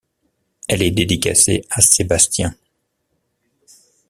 Elle est dédicacée à Sébastien.